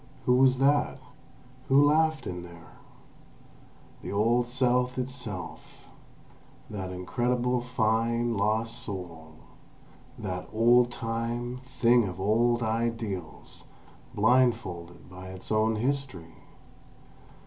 Who was that? Who laughed in there? The old South itself—that incredible, fine, lost soul! That "old time" thing of old ideals, blindfolded by its own history!